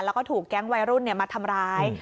แล้วก็ถูกแก๊งวัยรุ่นมาทำร้าย